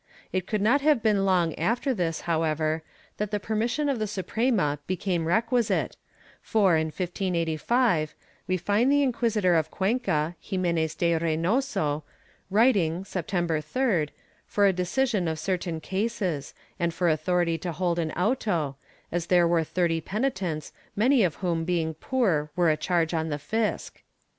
It could not have been long after this, however, that the permission of the Suprema became requisite for, in 1585, we find the Inquisitor of Cuenca, Ximenes de Reynoso, writing, Septem ber 3d, for a decision of certain cases, and for authority to hold an auto, as there were thirty penitents, many of whom being poor were a charge on the fisc.